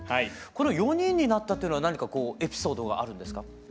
これ４人になったというのは何かエピソードがあるんですか？